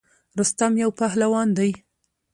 رستم یو پهلوان دی.